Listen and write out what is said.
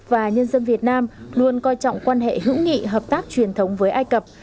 và nhân dân việt nam luôn coi trọng quan hệ hữu nghị hợp tác truyền thống với ai cập